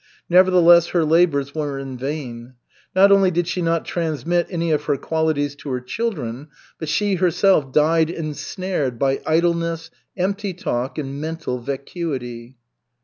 Nevertheless her labors were in vain. Not only did she not transmit any of her qualities to her children, but she herself died ensnared by idleness, empty talk and mental vacuity.